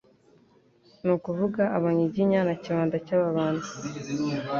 ni ukuvuga Abanyiginya na Kibanda y'Ababanda.